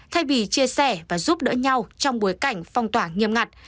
thay vì chia sẻ và giúp đỡ nhau trong bối cảnh phong tỏa nghiêm ngặt